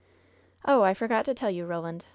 "Oh ! I forgot to tell you, Eoland !